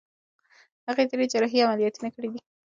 هغې درې جراحي عملیاتونه کړي دي.